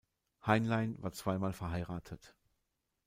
Heinlein war zweimal verheiratet.